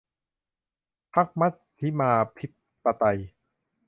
พรรคมัชฌิมาธิปไตย